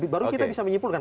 baru kita bisa menyimpulkan